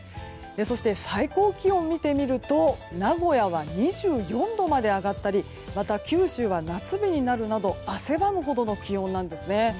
そして、最高気温を見てみると名古屋は２４度まで上がったりまた九州は夏日になるなど汗ばむほどの気温なんですね。